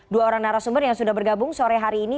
dua orang narasumber yang sudah bergabung sore hari ini